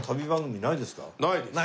ないです。